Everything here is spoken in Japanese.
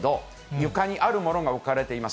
床にあるものが置かれています。